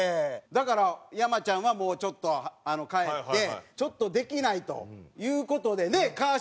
だから山ちゃんはもうちょっと帰ってちょっとできないという事でね川島が。